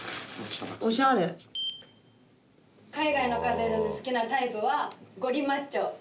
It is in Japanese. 「海外の方だと好きなタイプはゴリマッチョ」。